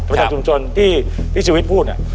ประจำชุมชนที่ชีวิตพูดเนี่ย